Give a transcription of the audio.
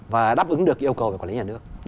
và đáp ứng được yêu cầu về quản lý nhà nước